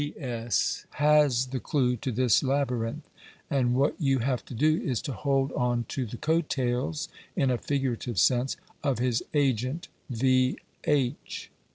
G. S. has the clue to this labyrinth; and what you have to do is to hold on to the coat tails (in a figurative sense) of his agent, V.